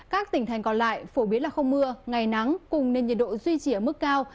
các tỉnh thành còn lại phổ biến là không mưa ngày nắng cùng nên nhiệt độ duy trì ở mức cao